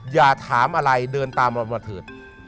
อย่าถามอะไรเดินตามเรามาเถิด